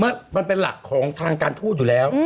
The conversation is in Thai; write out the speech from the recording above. มันเป็นหลักของทางการทูตอยู่แล้ว